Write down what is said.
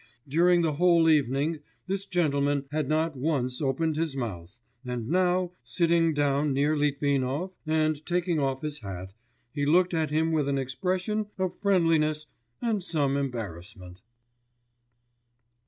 During the whole evening this gentleman had not once opened his mouth, and now, sitting down near Litvinov, and taking off his hat, he looked at him with an expression of friendliness and some embarrassment.